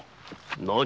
何？